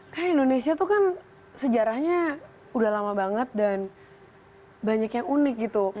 karena indonesia itu kan sejarahnya udah lama banget dan banyak yang unik gitu